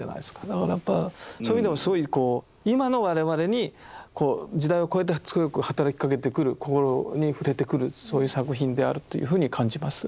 だからやっぱそういう意味でもすごいこう今の我々に時代を超えて強く働きかけてくる心に触れてくるそういう作品であるというふうに感じます。